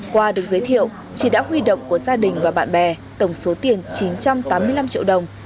qua được giới thiệu chị đã huy động của gia đình và bạn bè tổng số tiền chín trăm tám mươi năm triệu đồng